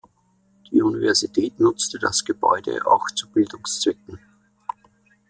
Die Universität nutzte das Gebäude auch zu Bildungszwecken.